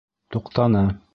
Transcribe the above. Туҡтаны!